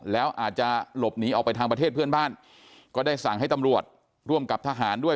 แล้วอาจจะหลบหนีออกไปทางประเทศเพื่อนบ้านก็ได้สั่งให้ตำรวจร่วมกับทหารด้วย